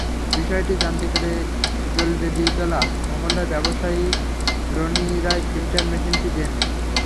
বিষয়টি জানতে পেরে দোলবেদিতলা মহল্লার ব্যবসায়ী রনি রায় ফিল্টার মেশিনটি দেন।